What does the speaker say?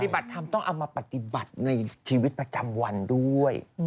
บัตรธรรมต้องเอามาปฏิบัติในชีวิตประจำวันด้วย